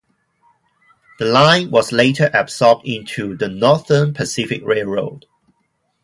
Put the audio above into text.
The line was later absorbed into the Northern Pacific Railroad.